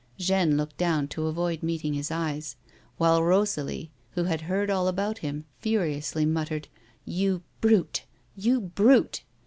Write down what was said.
Jeanne looked down to avoid meeting his eyes, while Rosalie, who had heard all about him, furiously muttered :" You brute, you brute